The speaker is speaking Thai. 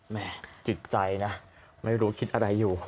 แม่จิตใจนะไม่รู้คิดอะไรอยู่